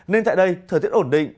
nên tại đây thời tiết ổn định